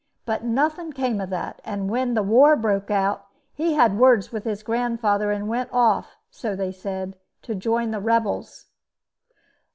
But nothing came of that; and when the war broke out, he had words with his grandfather, and went off, so they said, to join the rebels.